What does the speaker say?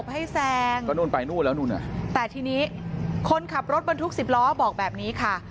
เขาหลบให้แซงแต่ทีนี้คนขับรถบรรทุกสิบล้อบอกแบบนี้ค่ะ